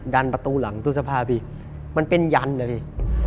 ดันประตูหลังตู้เสื้อผ้าไปมันเป็นยันนะพี่